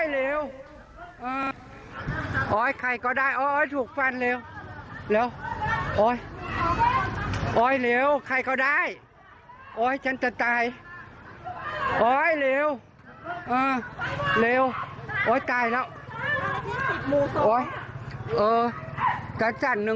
เลยปวดมาแล้วโอ้ยจะทำอะไรไม่รู้อ้้ายมีอือ